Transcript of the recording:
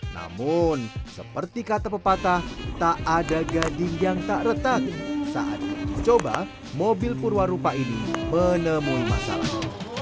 namun seperti kata pepatah tak ada gading yang tak retak saat mencoba mobil purwarupa ini menemui masalah